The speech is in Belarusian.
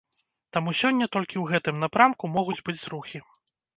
Таму сёння толькі ў гэтым напрамку могуць быць зрухі.